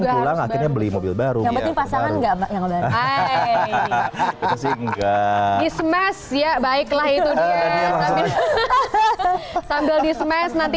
pulang akhirnya beli mobil baru pasangan enggak enggak ismash ya baiklah itu sambil dismas nanti